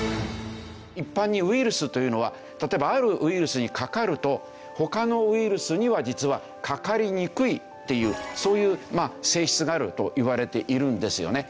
一般にウイルスというのは例えばあるウイルスにかかると他のウイルスには実はかかりにくいっていうそういう性質があるといわれているんですよね。